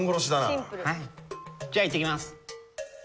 じゃあいってきます。